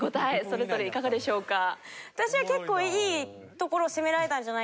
それぞれいかがでしょうか？